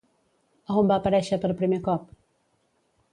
A on va aparèixer per primer cop?